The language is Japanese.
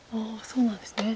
そうなんですね。